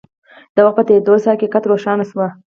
د وخت په تېرېدو سره حقيقت روښانه شو.